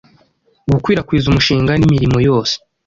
gukwirakwiza umushinga nimirimo yose